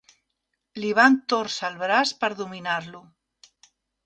Li van tòrcer el braç per dominar-lo.